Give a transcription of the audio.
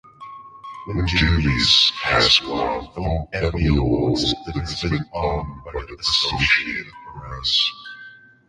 DuBois has won four Emmy Awards and has been honored by the Associated Press.